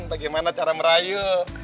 bagaimana cara merayu